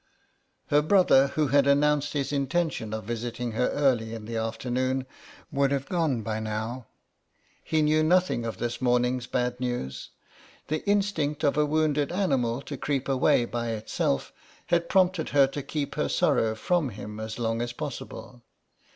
Her brother, who had announced his intention of visiting her early in the afternoon would have gone by now; he knew nothing of this morning's bad news—the instinct of a wounded animal to creep away by itself had prompted her to keep her sorrow from him as long as possible.